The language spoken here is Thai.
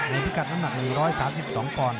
ในพิกัดน้ำหนัก๑๓๒กร